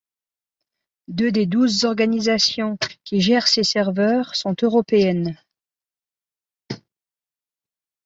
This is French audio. Deux des douze organisation qui gèrent ces serveurs sont européennes.